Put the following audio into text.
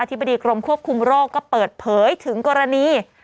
ธิบดีกรมควบคุมโรคก็เปิดเผยถึงกรณี